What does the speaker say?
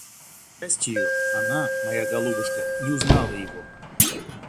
К счастию, она, моя голубушка, не узнала его.